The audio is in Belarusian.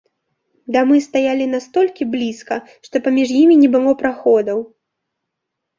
Дамы стаялі настолькі блізка, што паміж імі не было праходаў.